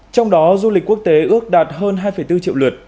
trong đó du lịch quốc tế ước đạt hơn hai bốn triệu lượt